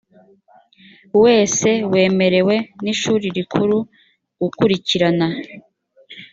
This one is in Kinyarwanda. wese wemerewe n ishuri rikuru gukurikirana